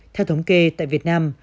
theo thống kê tại việt nam